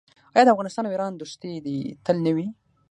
آیا د افغانستان او ایران دوستي دې تل نه وي؟